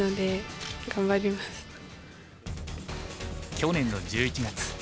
去年の１１月。